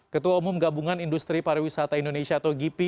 ketua umum gabungan industri pariwisata indonesia atau gipi